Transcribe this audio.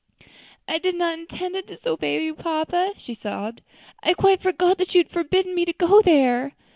"I did not intend to disobey you, papa," she sobbed; "I quite forgot that you had forbidden me to go there."